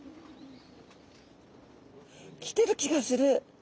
きてる気がする！